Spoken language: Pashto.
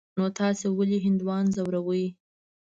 نو تاسې ولي هندوان ځوروئ.